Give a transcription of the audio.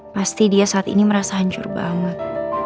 pasti dia saat ini merasa hancur banget